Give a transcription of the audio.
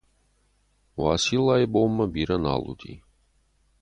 Уациллайы бонмӕ бирӕ нал уыди.